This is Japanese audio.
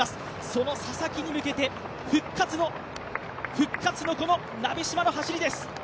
その佐々木に向けて復活の鍋島の走りです。